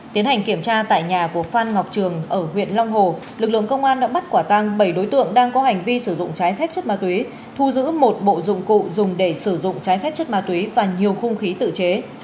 tiến hành kiểm tra tại nhà của phan ngọc trường ở huyện long hồ lực lượng công an đã bắt quả tăng bảy đối tượng đang có hành vi sử dụng trái phép chất ma túy thu giữ một bộ dụng cụ dùng để sử dụng trái phép chất ma túy và nhiều khung khí tự chế